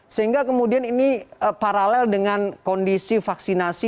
sehingga kemudian ini paralel dengan kondisi vaksinasi